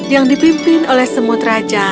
yang dipimpin oleh semut raja